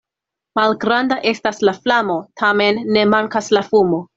Malgranda estas la flamo, tamen ne mankas la fumo.